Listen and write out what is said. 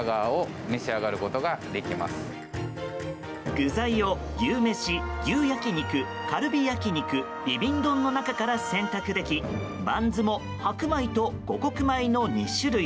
具材を牛めし、牛焼肉、カルビ焼肉ビビン丼の中から選択できバンズも白米と五穀米の２種類。